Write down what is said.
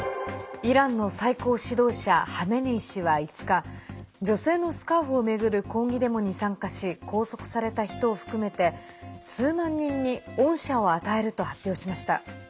イランの最高指導者ハメネイ師は５日女性のスカーフを巡る抗議デモに参加し拘束された人を含めて、数万人に恩赦を与えると発表しました。